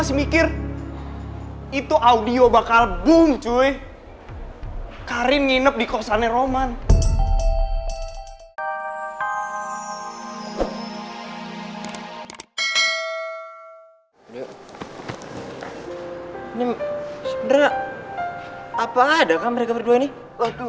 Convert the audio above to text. sampai jumpa di video selanjutnya